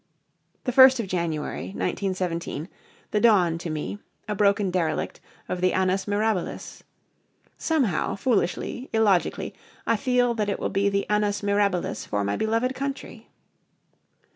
The First of January, 1917 the dawn to me, a broken derelict, of the annus mirabilis. Somehow, foolishly, illogically, I feel that it will be the annus mirabilis for my beloved country.